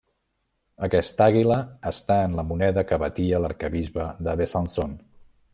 Aquesta àguila està en la moneda que batia l'arquebisbe de Besançon.